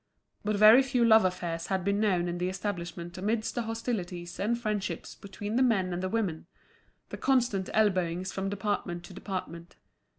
But very few love affairs had been known in the establishment amidst the hostilities and friendships between the men and the women, the constant elbowings from department to department.